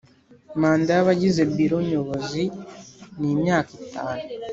Manda y abagize Biro Nyobozi ni imyaka itanu